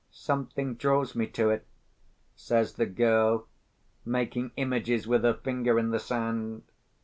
"Something draws me to it," says the girl, making images with her finger in the sand.